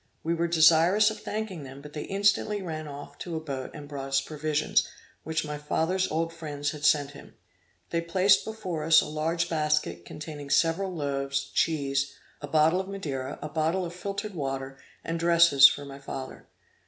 We were desirous of thanking them, but they instantly ran off to the boat and brought us provisions, which my father's old friends had sent him. They placed before us a large basket containing several loaves, cheese, a bottle of Madeira, a bottle of filtered water and dresses for my father.